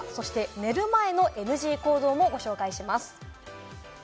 寝る前のＮＧ行動もご紹介します。